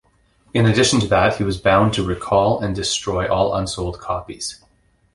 In addition to that, he was bound to recall and destroy all unsold copies.